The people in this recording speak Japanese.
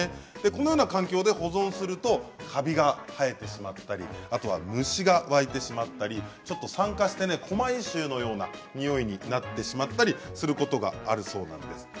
このような環境で保存するとカビが生えてしまったりあとは虫がわいてしまったり酸化して、古米臭のようなにおいになってしまったりすることがあるそうなんです。